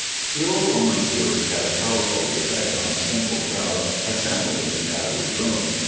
The old woman's words had a powerful effect on the simple crowd assembled in the shadowy room.